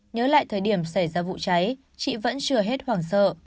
nhớ lại thời điểm xảy ra vụ cháy chị vẫn chưa hết hoảng sợ